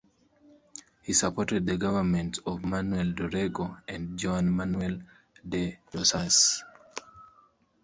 He supported the governments of Manuel Dorrego and Juan Manuel de Rosas.